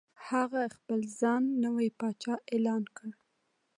هغه خپل ځان نوی پاچا اعلان کړ.